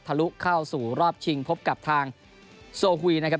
ลุเข้าสู่รอบชิงพบกับทางโซฮุยนะครับ